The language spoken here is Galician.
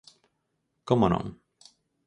¿Como non?